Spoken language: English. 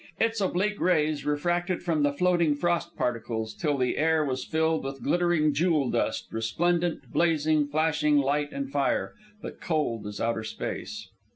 Its oblique rays refracted from the floating frost particles till the air was filled with glittering jewel dust resplendent, blazing, flashing light and fire, but cold as outer space.